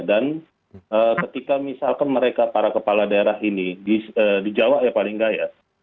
dan ketika misalkan mereka para kepala daerah ini di jawa ya paling nggak ya